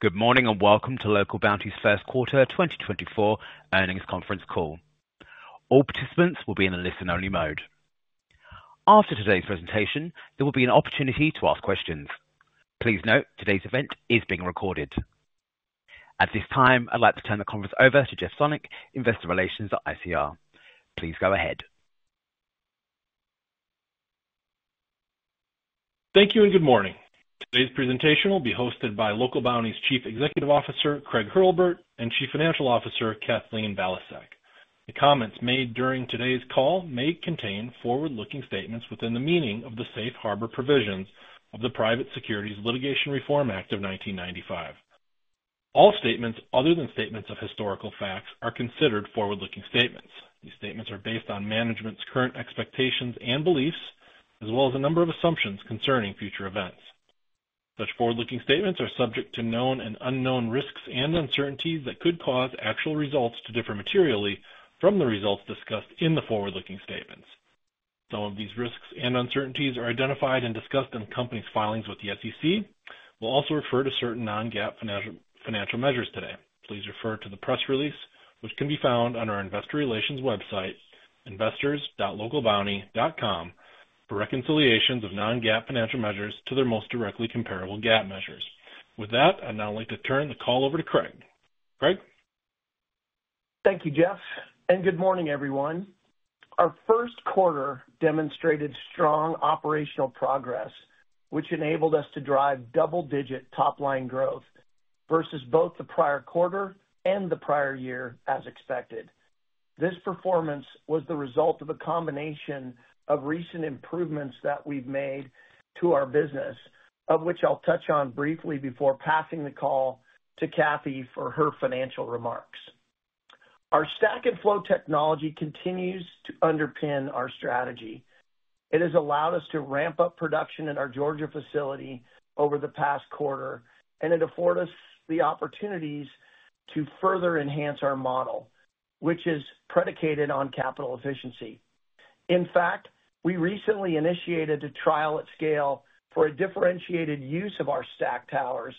Good morning, and welcome to Local Bounti's first quarter 2024 earnings conference call. All participants will be in the listen-only mode. After today's presentation, there will be an opportunity to ask questions. Please note, today's event is being recorded. At this time, I'd like to turn the conference over to Jeff Sonnek, Investor Relations at ICR. Please go ahead. Thank you, and good morning. Today's presentation will be hosted by Local Bounti's Chief Executive Officer, Craig Hurlbert, and Chief Financial Officer, Kathleen Valiasek. The comments made during today's call may contain forward-looking statements within the meaning of the Safe Harbor Provisions of the Private Securities Litigation Reform Act of 1995. All statements other than statements of historical facts are considered forward-looking statements. These statements are based on management's current expectations and beliefs, as well as a number of assumptions concerning future events. Such forward-looking statements are subject to known and unknown risks and uncertainties that could cause actual results to differ materially from the results discussed in the forward-looking statements. Some of these risks and uncertainties are identified and discussed in the company's filings with the SEC. We'll also refer to certain non-GAAP financial measures today. Please refer to the press release, which can be found on our investor relations website, investors.localbounti.com, for reconciliations of non-GAAP financial measures to their most directly comparable GAAP measures. With that, I'd now like to turn the call over to Craig. Craig? Thank you, Jeff, and good morning, everyone. Our first quarter demonstrated strong operational progress, which enabled us to drive double-digit top-line growth versus both the prior quarter and the prior year, as expected. This performance was the result of a combination of recent improvements that we've made to our business, of which I'll touch on briefly before passing the call to Kathy for her financial remarks. Our Stack & Flow Technology continues to underpin our strategy. It has allowed us to ramp up production in our Georgia facility over the past quarter, and it afforded us the opportunities to further enhance our model, which is predicated on capital efficiency. In fact, we recently initiated a trial at scale for a differentiated use of our Stack Towers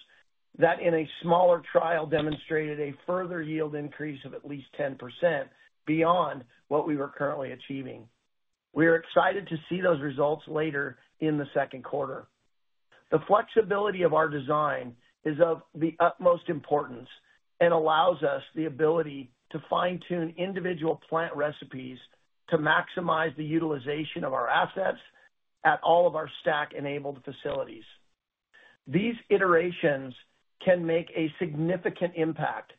that, in a smaller trial, demonstrated a further yield increase of at least 10% beyond what we were currently achieving. We are excited to see those results later in the second quarter. The flexibility of our design is of the utmost importance and allows us the ability to fine-tune individual plant recipes to maximize the utilization of our assets at all of our Stack-enabled facilities. These iterations can make a significant impact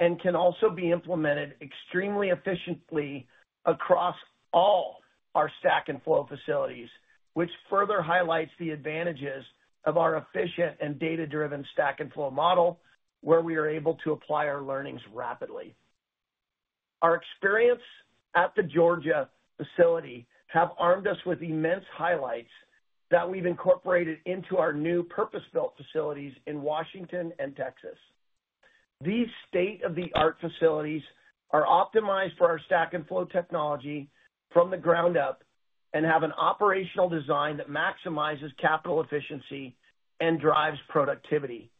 and can also be implemented extremely efficiently across all our Stack & Flow facilities, which further highlights the advantages of our efficient and data-driven Stack & Flow model, where we are able to apply our learnings rapidly. Our experience at the Georgia facility have armed us with immense highlights that we've incorporated into our new purpose-built facilities in Washington and Texas. These state-of-the-art facilities are optimized for our Stack & Flow technology from the ground up and have an operational design that maximizes capital efficiency and drives productivity.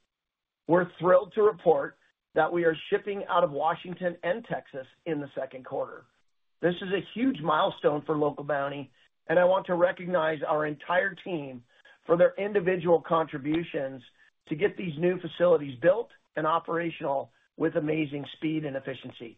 We're thrilled to report that we are shipping out of Washington and Texas in the second quarter. This is a huge milestone for Local Bounti, and I want to recognize our entire team for their individual contributions to get these new facilities built and operational with amazing speed and efficiency.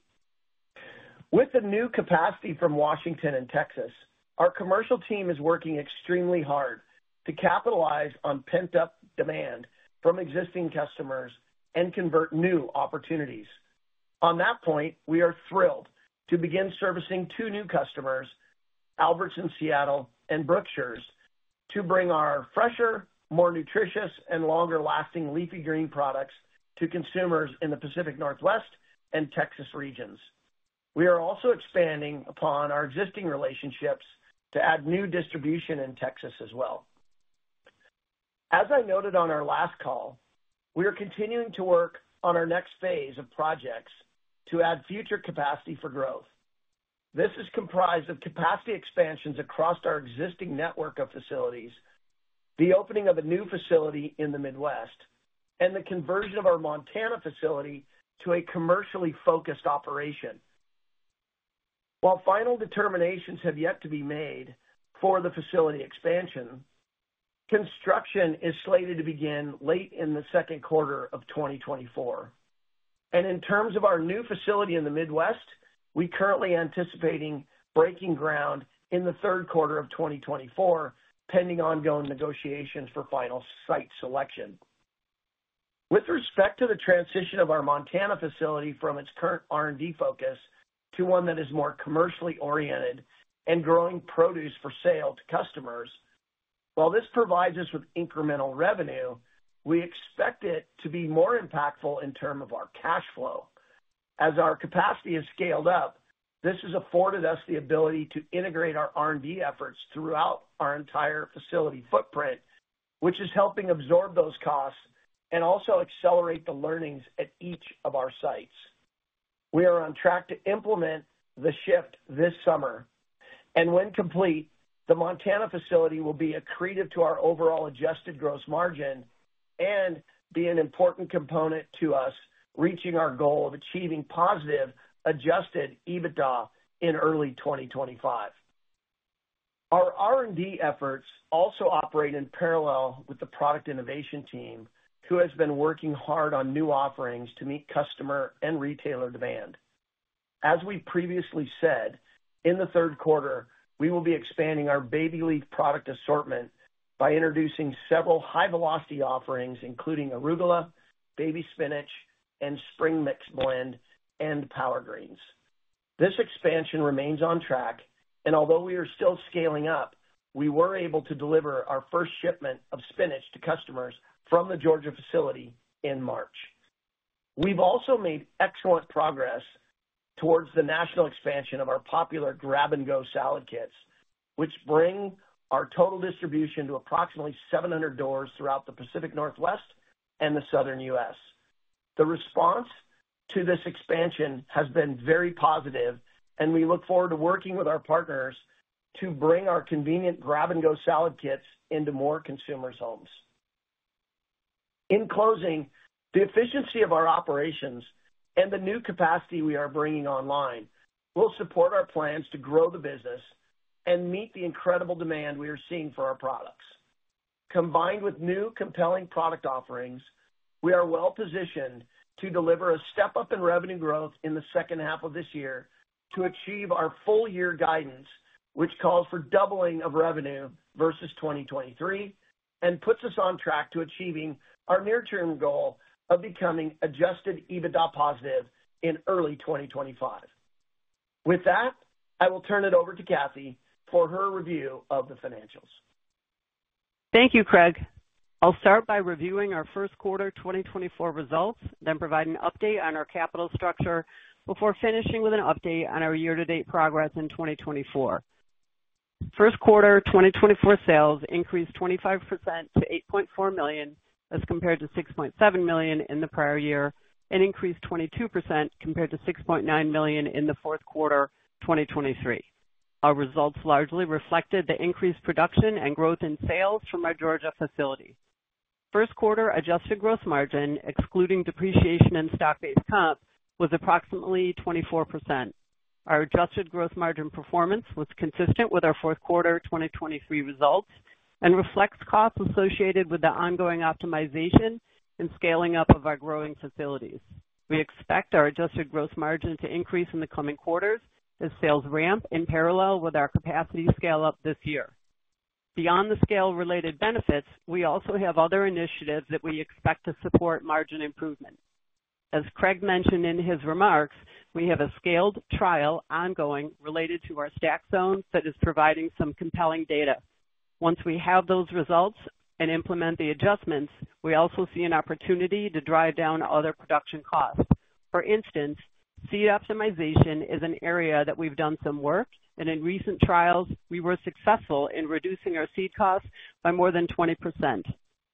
With the new capacity from Washington and Texas, our commercial team is working extremely hard to capitalize on pent-up demand from existing customers and convert new opportunities. On that point, we are thrilled to begin servicing two new customers, Albertsons Seattle and Brookshire's, to bring our fresher, more nutritious, and longer-lasting leafy green products to consumers in the Pacific Northwest and Texas regions. We are also expanding upon our existing relationships to add new distribution in Texas as well. As I noted on our last call, we are continuing to work on our next phase of projects to add future capacity for growth. This is comprised of capacity expansions across our existing network of facilities, the opening of a new facility in the Midwest, and the conversion of our Montana facility to a commercially focused operation. While final determinations have yet to be made for the facility expansion, construction is slated to begin late in the second quarter of 2024. In terms of our new facility in the Midwest, we currently anticipating breaking ground in the third quarter of 2024, pending ongoing negotiations for final site selection. With respect to the transition of our Montana facility from its current R&D focus to one that is more commercially oriented and growing produce for sale to customers, while this provides us with incremental revenue, we expect it to be more impactful in terms of our cash flow. As our capacity is scaled up, this has afforded us the ability to integrate our R&D efforts throughout our entire facility footprint, which is helping absorb those costs and also accelerate the learnings at each of our sites. We are on track to implement the shift this summer, and when complete, the Montana facility will be accretive to our overall Adjusted Gross Margin and be an important component to us reaching our goal of achieving positive Adjusted EBITDA in early 2025. Our R&D efforts also operate in parallel with the product innovation team, who has been working hard on new offerings to meet customer and retailer demand. As we previously said, in the third quarter, we will be expanding our Baby Leaf product assortment by introducing several high-velocity offerings, including Arugula, Baby Spinach, and Spring Mix Blend, and Power Greens. This expansion remains on track, and although we are still scaling up, we were able to deliver our first shipment of spinach to customers from the Georgia facility in March. We've also made excellent progress towards the national expansion of our popular Grab-and-Go Salad Kits, which bring our total distribution to approximately 700 doors throughout the Pacific Northwest and the Southern US. The response to this expansion has been very positive, and we look forward to working with our partners to bring our convenient grab-and-go salad kits into more consumers' homes. In closing, the efficiency of our operations and the new capacity we are bringing online will support our plans to grow the business and meet the incredible demand we are seeing for our products. Combined with new compelling product offerings, we are well positioned to deliver a step-up in revenue growth in the second half of this year to achieve our full-year guidance, which calls for doubling of revenue versus 2023, and puts us on track to achieving our near-term goal of becoming Adjusted EBITDA positive in early 2025. With that, I will turn it over to Kathy for her review of the financials. Thank you, Craig. I'll start by reviewing our first quarter 2024 results, then provide an update on our capital structure before finishing with an update on our year-to-date progress in 2024. First quarter 2024 sales increased 25% to $8.4 million, as compared to $6.7 million in the prior year, and increased 22% compared to $6.9 million in the fourth quarter 2023. Our results largely reflected the increased production and growth in sales from our Georgia facility. First quarter adjusted gross margin, excluding depreciation and stock-based comp, was approximately 24%. Our adjusted gross margin performance was consistent with our fourth quarter 2023 results and reflects costs associated with the ongoing optimization and scaling up of our growing facilities. We expect our adjusted gross margin to increase in the coming quarters as sales ramp in parallel with our capacity scale-up this year. Beyond the scale-related benefits, we also have other initiatives that we expect to support margin improvement. As Craig mentioned in his remarks, we have a scaled trial ongoing related to our Stack zones that is providing some compelling data. Once we have those results and implement the adjustments, we also see an opportunity to drive down other production costs. For instance, seed optimization is an area that we've done some work, and in recent trials, we were successful in reducing our seed costs by more than 20%.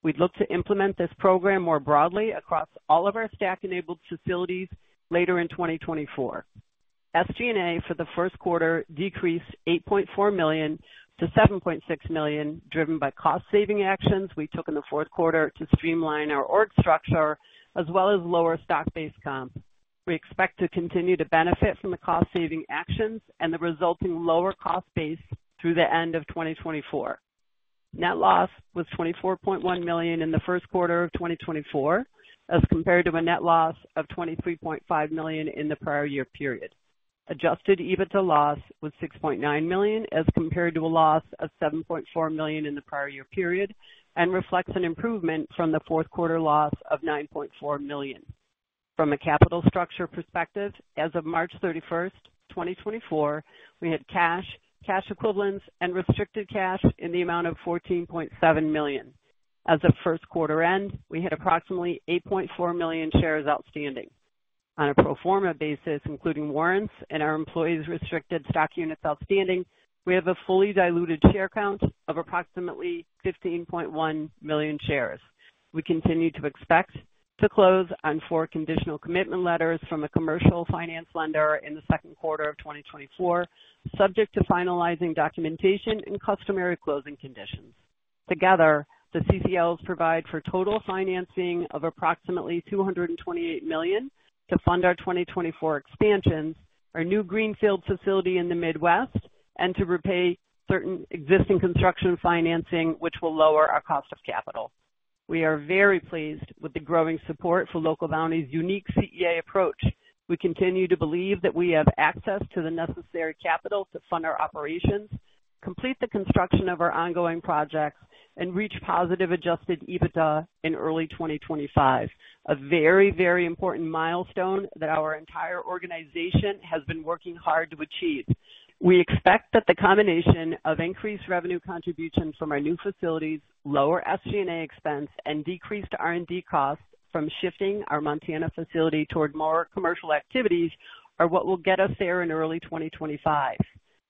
We'd look to implement this program more broadly across all of our stack-enabled facilities later in 2024. SG&A for the first quarter decreased $8.4 million to $7.6 million, driven by cost-saving actions we took in the fourth quarter to streamline our org structure, as well as lower stock-based comp. We expect to continue to benefit from the cost-saving actions and the resulting lower cost base through the end of 2024. Net loss was $24.1 million in the first quarter of 2024, as compared to a net loss of $23.5 million in the prior year period. Adjusted EBITDA loss was $6.9 million, as compared to a loss of $7.4 million in the prior year period, and reflects an improvement from the fourth quarter loss of $9.4 million. From a capital structure perspective, as of March 31, 2024, we had cash, cash equivalents, and restricted cash in the amount of $14.7 million. As of first quarter end, we had approximately 8.4 million shares outstanding. On a pro forma basis, including warrants and our employees restricted stock units outstanding, we have a fully diluted share count of approximately 15.1 million shares. We continue to expect to close on 4 conditional commitment letters from a commercial finance lender in the second quarter of 2024, subject to finalizing documentation and customary closing conditions. Together, the CCLs provide for total financing of approximately $228 million to fund our 2024 expansions, our new greenfield facility in the Midwest, and to repay certain existing construction financing, which will lower our cost of capital. We are very pleased with the growing support for Local Bounti's unique CEA approach. We continue to believe that we have access to the necessary capital to fund our operations, complete the construction of our ongoing projects, and reach positive Adjusted EBITDA in early 2025, a very, very important milestone that our entire organization has been working hard to achieve. We expect that the combination of increased revenue contributions from our new facilities, lower SG&A expense, and decreased R&D costs from shifting our Montana facility toward more commercial activities are what will get us there in early 2025.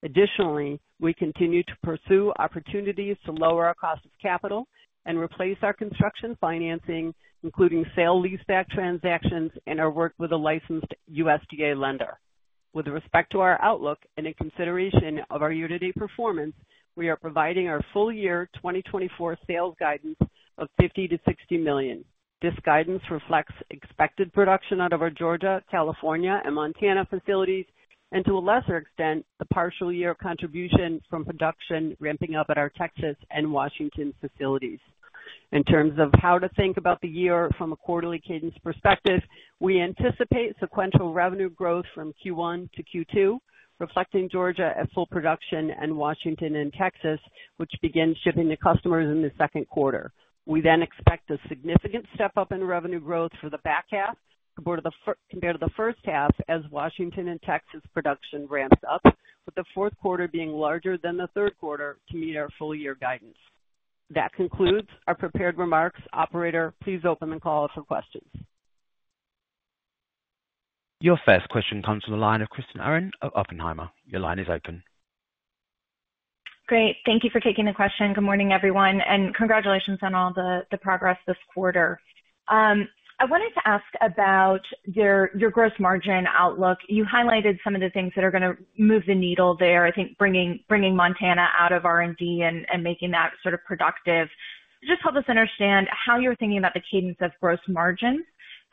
Additionally, we continue to pursue opportunities to lower our cost of capital and replace our construction financing, including sale-leaseback transactions, and our work with a licensed USDA lender. With respect to our outlook and in consideration of our year-to-date performance, we are providing our full year 2024 sales guidance of $50 million-$60 million. This guidance reflects expected production out of our Georgia, California, and Montana facilities, and to a lesser extent, the partial year of contribution from production ramping up at our Texas and Washington facilities. In terms of how to think about the year from a quarterly cadence perspective, we anticipate sequential revenue growth from Q1 to Q2, reflecting Georgia at full production in Washington and Texas, which begins shipping to customers in the second quarter. We then expect a significant step-up in revenue growth for the back half compared to the first half, as Washington and Texas production ramps up, with the fourth quarter being larger than the third quarter to meet our full year guidance. That concludes our prepared remarks. Operator, please open the call for questions. Your first question comes from the line of Kristen Owen of Oppenheimer. Your line is open. Great. Thank you for taking the question. Good morning, everyone, and congratulations on all the, the progress this quarter. I wanted to ask about your, your gross margin outlook. You highlighted some of the things that are gonna move the needle there. I think bringing Montana out of R&D and making that sort of productive. Just help us understand how you're thinking about the cadence of gross margin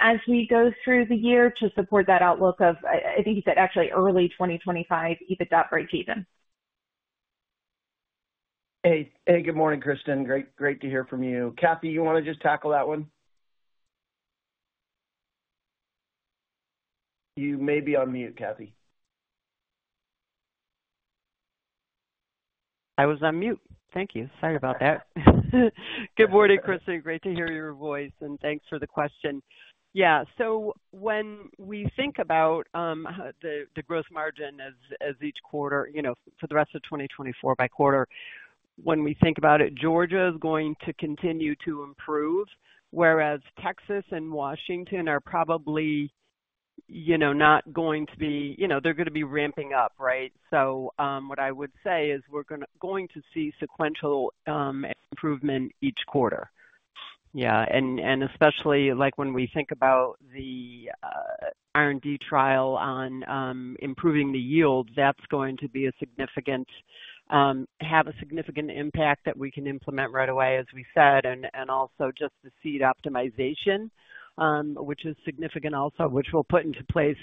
as we go through the year to support that outlook of, I think you said actually early 2025, EBITDA break even. Hey, hey, good morning, Kristen. Great, great to hear from you. Kathy, you wanna just tackle that one? You may be on mute, Kathy. I was on mute. Thank you. Sorry about that. Good morning, Kristen. Great to hear your voice, and thanks for the question. Yeah, so when we think about the gross margin as each quarter, you know, for the rest of 2024 by quarter, when we think about it, Georgia is going to continue to improve, whereas Texas and Washington are probably, you know, not going to be you know, they're gonna be ramping up, right? So, what I would say is we're going to see sequential improvement each quarter. Yeah, and, and especially, like, when we think about the R&D trial on improving the yields, that's going to have a significant impact that we can implement right away, as we said, and, and also just the seed optimization, which is significant also, which we'll put into place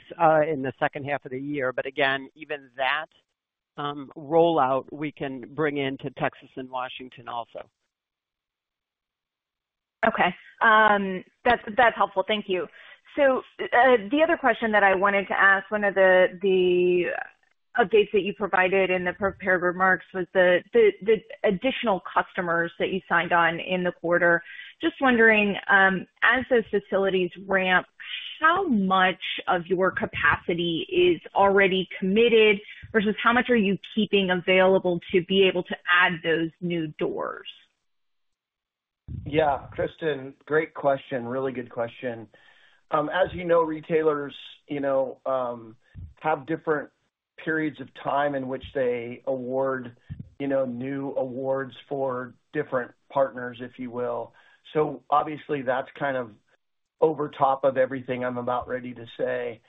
in the second half of the year. But again, even that rollout we can bring into Texas and Washington also. Okay. That's, that's helpful. Thank you. So, the other question that I wanted to ask, one of the, the updates that you provided in the prepared remarks was the, the, the additional customers that you signed on in the quarter. Just wondering, as those facilities ramp, how much of your capacity is already committed versus how much are you keeping available to be able to add those new doors? Yeah, Kristen, great question. Really good question. As you know, retailers, you know, have different periods of time in which they award, you know, new awards for different partners, if you will. So obviously, that's kind of over top of everything I'm about ready to say.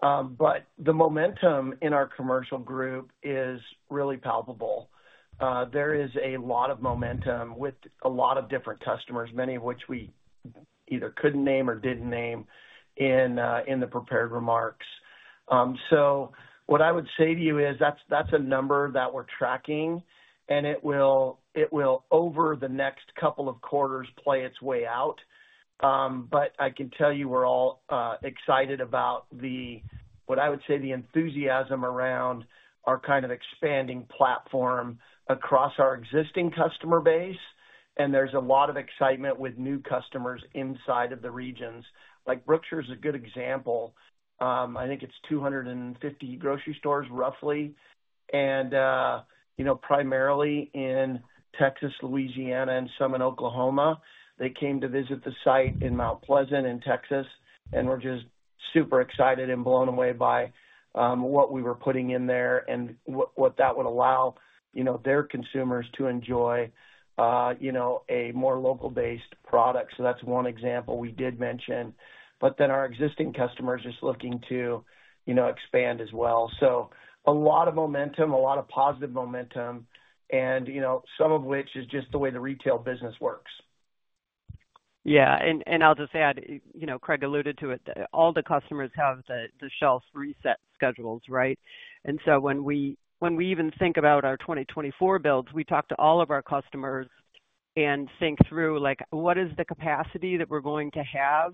But the momentum in our commercial group is really palpable. There is a lot of momentum with a lot of different customers, many of which we either couldn't name or didn't name in, in the prepared remarks. So what I would say to you is, that's, that's a number that we're tracking, and it will, it will, over the next couple of quarters, play its way out. But I can tell you, we're all excited about the, what I would say, the enthusiasm around our kind of expanding platform across our existing customer base, and there's a lot of excitement with new customers inside of the regions. Like, Brookshire is a good example. I think it's 250 grocery stores, roughly, and, you know, primarily in Texas, Louisiana, and some in Oklahoma. They came to visit the site in Mount Pleasant in Texas, and were just super excited and blown away by, what we were putting in there and what, what that would allow, you know, their consumers to enjoy, you know, a more local-based product. So that's one example we did mention. But then our existing customers just looking to, you know, expand as well. A lot of momentum, a lot of positive momentum, and you know, some of which is just the way the retail business works. Yeah, and I'll just add, you know, Craig alluded to it, that all the customers have the shelf reset schedules, right? And so when we even think about our 2024 builds, we talk to all of our customers and think through, like, what is the capacity that we're going to have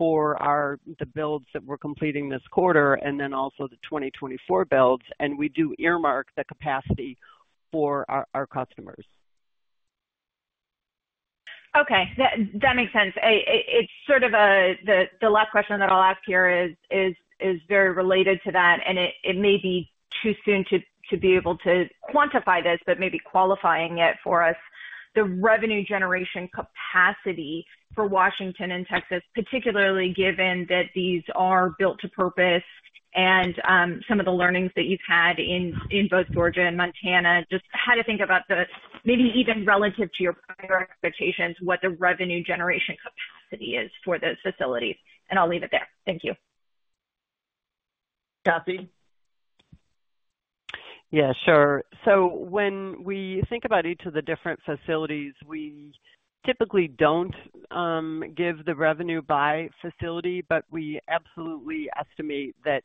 for our builds that we're completing this quarter, and then also the 2024 builds, and we do earmark the capacity for our customers. Okay, that makes sense. It's sort of the last question that I'll ask here is very related to that, and it may be too soon to be able to quantify this, but maybe qualifying it for us the revenue generation capacity for Washington and Texas, particularly given that these are built to purpose and some of the learnings that you've had in both Georgia and Montana, just how to think about the maybe even relative to your prior expectations, what the revenue generation capacity is for those facilities. And I'll leave it there. Thank you. Kathy? Yeah, sure. So when we think about each of the different facilities, we typically don't give the revenue by facility, but we absolutely estimate that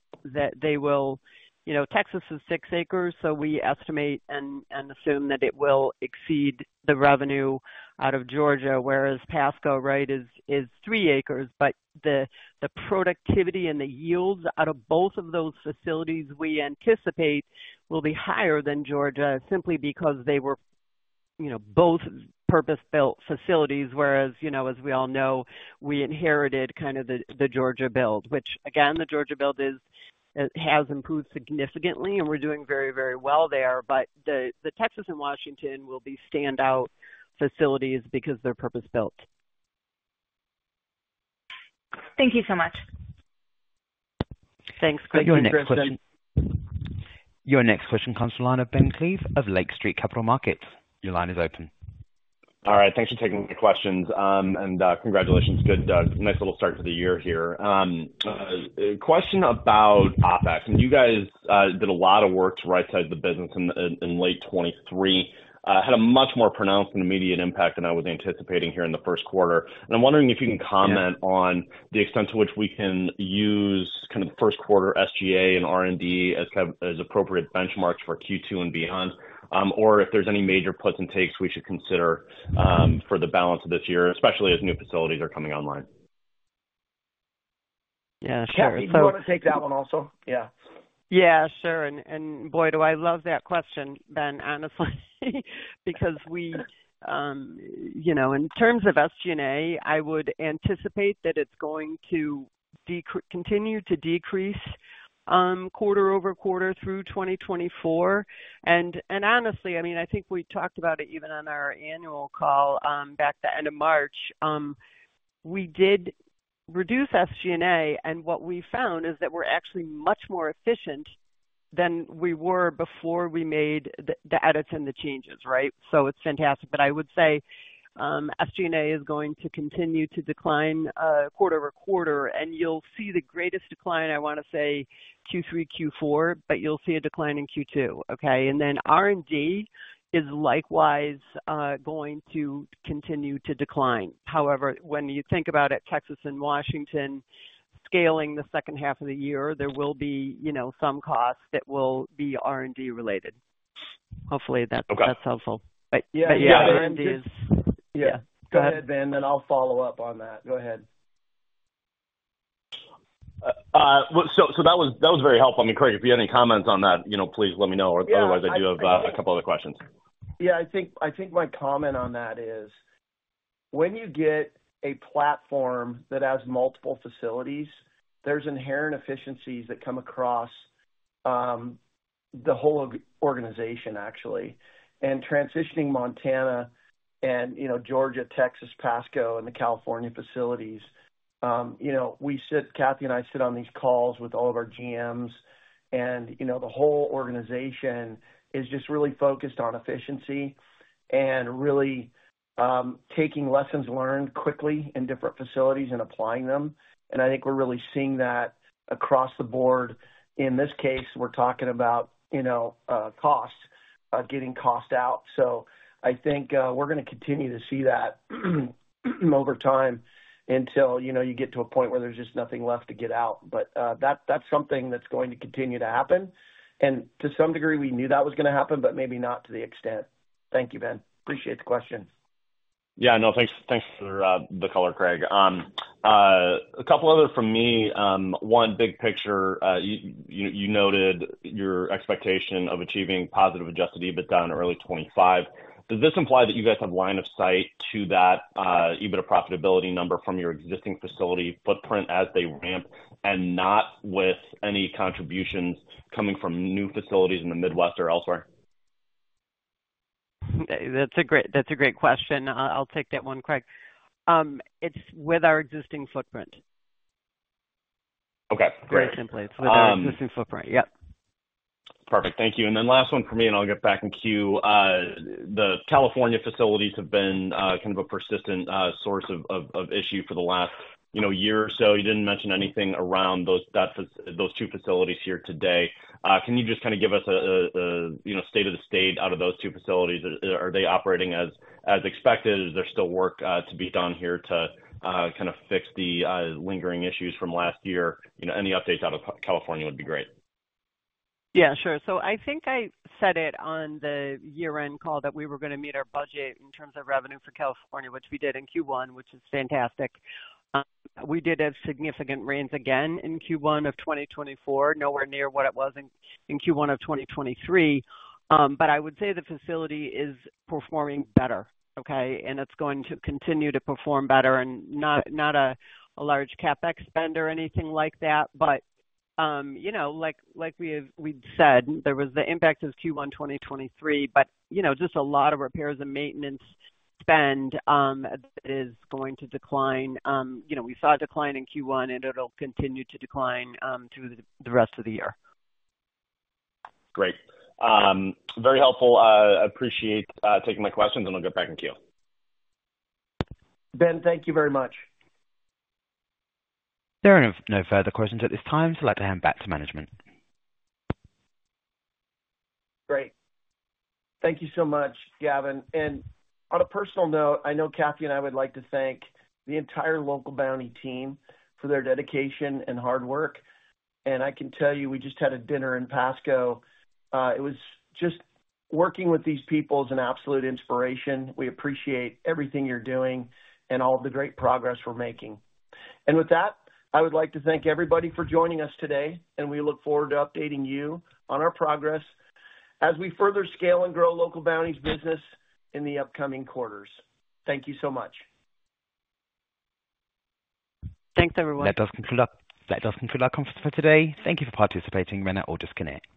they will. You know, Texas is 6 acres, so we estimate and assume that it will exceed the revenue out of Georgia, whereas Pasco, right, is 3 acres. But the productivity and the yields out of both of those facilities, we anticipate will be higher than Georgia simply because they were, you know, both purpose-built facilities. Whereas, you know, as we all know, we inherited kind of the Georgia build, which again, the Georgia build has improved significantly and we're doing very, very well there. But the Texas and Washington will be standout facilities because they're purpose-built. Thank you so much. Thanks, Kristen. Your next question comes from the line of Ben Klieve of Lake Street Capital Markets. Your line is open. All right, thanks for taking the questions. Congratulations. Good, nice little start to the year here. A question about OpEx. And you guys did a lot of work to right-size the business in late 2023. Had a much more pronounced and immediate impact than I was anticipating here in the first quarter. And I'm wondering if you can comment on the extent to which we can use kind of the first quarter SGA and R&D as kind of, as appropriate benchmarks for Q2 and beyond, or if there's any major puts and takes we should consider, for the balance of this year, especially as new facilities are coming online. Yeah, sure. Kathy, do you want to take that one also? Yeah. Yeah, sure. And boy, do I love that question, Ben, honestly, because we, you know, in terms of SG&A, I would anticipate that it's going to continue to decrease quarter-over-quarter through 2024. And honestly, I mean, I think we talked about it even on our annual call back at the end of March. We did reduce SG&A, and what we found is that we're actually much more efficient than we were before we made the edits and the changes, right? So it's fantastic. But I would say SG&A is going to continue to decline quarter-over-quarter, and you'll see the greatest decline, I want to say Q3, Q4, but you'll see a decline in Q2. Okay, and then R&D is likewise going to continue to decline. However, when you think about it, Texas and Washington scaling the second half of the year, there will be, you know, some costs that will be R&D related. Hopefully, that's- Okay. That's helpful. But yeah- Yeah, R&D is- Yeah. Go ahead, Ben, then I'll follow up on that. Go ahead. So that was very helpful. I mean, Craig, if you have any comments on that, you know, please let me know. Or otherwise, I do have a couple other questions. Yeah, I think, I think my comment on that is, when you get a platform that has multiple facilities, there's inherent efficiencies that come across the whole organization actually, and transitioning Montana and, you know, Georgia, Texas, Pasco, and the California facilities. You know, we sit, Kathy and I sit on these calls with all of our GMs and, you know, the whole organization is just really focused on efficiency and really taking lessons learned quickly in different facilities and applying them. And I think we're really seeing that across the board. In this case, we're talking about, you know, costs, getting cost out. So I think we're gonna continue to see that over time until, you know, you get to a point where there's just nothing left to get out. But, that's, that's something that's going to continue to happen, and to some degree, we knew that was gonna happen, but maybe not to the extent. Thank you, Ben. Appreciate the question. Yeah. No, thanks, thanks for the color, Craig. A couple other from me. One big picture. You noted your expectation of achieving positive Adjusted EBITDA in early 2025. Does this imply that you guys have line of sight to that, EBITDA profitability number from your existing facility footprint as they ramp, and not with any contributions coming from new facilities in the Midwest or elsewhere? That's a great, that's a great question. I'll take that one, Craig. It's with our existing footprint. Okay, great. Very simply, it's with our existing footprint. Yep. Perfect. Thank you. And then last one for me, and I'll get back in queue. The California facilities have been kind of a persistent source of issue for the last, you know, year or so. You didn't mention anything around those two facilities here today. Can you just kind of give us a you know, state of the state out of those two facilities? Are they operating as expected? Is there still work to be done here to kind of fix the lingering issues from last year? You know, any updates out of California would be great. Yeah, sure. So I think I said it on the year-end call that we were gonna meet our budget in terms of revenue for California, which we did in Q1, which is fantastic. We did have significant rains again in Q1 of 2024, nowhere near what it was in Q1 of 2023. But I would say the facility is performing better, okay? And it's going to continue to perform better and not a large CapEx spend or anything like that. But you know, like we've said, there was the impact of Q1 2023, but you know, just a lot of repairs and maintenance spend is going to decline. You know, we saw a decline in Q1, and it'll continue to decline through the rest of the year. Great. Very helpful. Appreciate taking my questions, and I'll get back in queue. Ben, thank you very much. There are no further questions at this time. So I'd like to hand back to management. Great. Thank you so much, Gavin. On a personal note, I know Kathy and I would like to thank the entire Local Bounti team for their dedication and hard work. And I can tell you, we just had a dinner in Pasco. It was just working with these people is an absolute inspiration. We appreciate everything you're doing and all of the great progress we're making. And with that, I would like to thank everybody for joining us today, and we look forward to updating you on our progress as we further scale and grow Local Bounti's business in the upcoming quarters. Thank you so much. Thanks, everyone. That does conclude our conference for today. Thank you for participating. You may now disconnect.